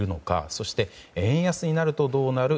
そして、円安になるとどうなる？